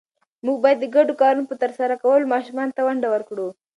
موږ باید د ګډو کارونو په ترسره کولو ماشومانو ته ونډه ورکړو